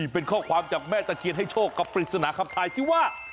เป็นข้อความจากแม่ตะเคียนให้โชคกับปริศนาคำทายที่ว่า